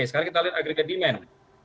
sekarang kita lihat agregat demand